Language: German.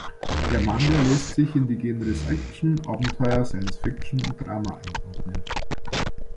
Der Manga lässt sich in die Genres Action, Abenteuer, Science-Fiction und Drama einordnen.